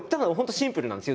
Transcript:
シンプルなんですよ。